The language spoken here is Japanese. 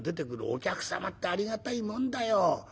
お客様ってありがたいもんだよ。